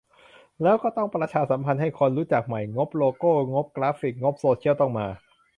แล้วก็ต้องประชาสัมพันธ์ให้คนรู้จักใหม่ งบโลโก้ งบกราฟิก งบโซเชียลต้องมา